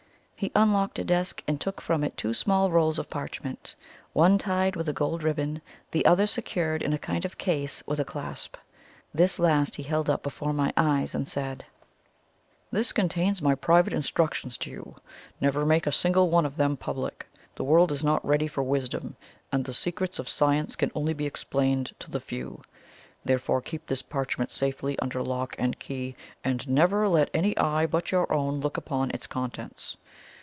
He unlocked a desk, and took from it two small rolls of parchment, one tied with a gold ribbon, the other secured in a kind of case with a clasp. This last he held up before my eyes, and said: "This contains my private instructions to you. Never make a single one of them public. The world is not ready for wisdom, and the secrets of science can only be explained to the few. Therefore keep this parchment safely under lock and key, and never let any eye but your own look upon its contents."